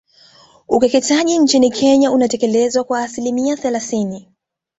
Ukeketaji nchini Kenya unatekelezwa kwa asilimia thelathini